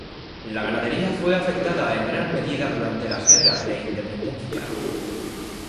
La ganadería fue afectada en gran medida durante las Guerras de Independencia.